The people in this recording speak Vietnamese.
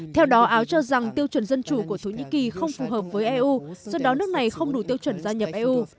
theo đó áo cho rằng tiêu chuẩn dân chủ của thổ nhĩ kỳ không phù hợp với eu do đó nước này không đủ tiêu chuẩn gia nhập eu